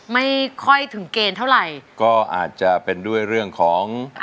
ไม่ค่อยถึงเกณฑ์เท่าไหร่ก็อาจจะเป็นด้วยเรื่องของ